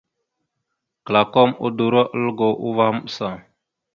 Klakom udoróalgo uvah maɓəsa.